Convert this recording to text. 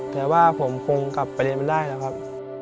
แต่ว่าผมคงกลับไปเรียนไม่ได้แล้วครับ